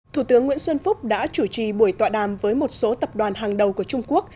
thủ tướng nguyễn xuân phúc đã chủ trì buổi tọa đàm với một số tập đoàn hàng đầu của trung quốc